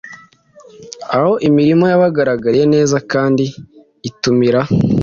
Aho imirima yabagaragariye neza kandi itumira